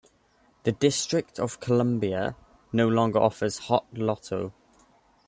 The District of Columbia no longer offers Hot Lotto.